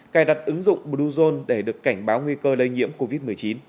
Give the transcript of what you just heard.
cài đặt ứng dụng bluezone để được cảnh báo nguy cơ lây nhiễm covid một mươi chín